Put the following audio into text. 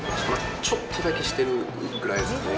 ちょっとだけしてるぐらいですね。